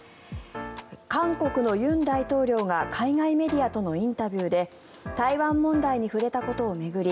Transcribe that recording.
韓国の尹大統領が海外メディアとのインタビューで台湾問題に触れたことを巡り